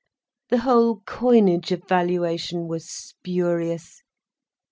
The whole coinage of valuation was spurious.